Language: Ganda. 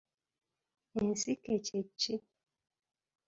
Ensiike kye ki?